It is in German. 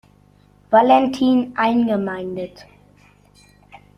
Valentin eingemeindet.